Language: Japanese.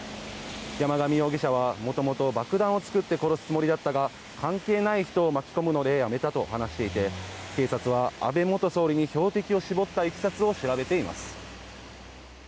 山上容疑者は元々爆弾を作って殺すつもりだったが関係ない人を巻き込むのでやめたと話していて警察は、安倍元総理に標的を絞ったいきさつを調べています。